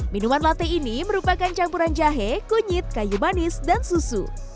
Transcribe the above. minuman latte ini merupakan campuran jahe kunyit kayu manis dan susu